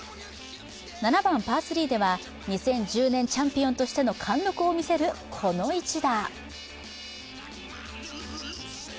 ７番パー３では、２０１０年チャンピオンとしての貫禄を見せるこの一打。